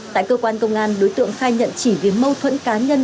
tại cơ quan công an đối tượng khai nhận chỉ vì mâu thuẫn cá nhân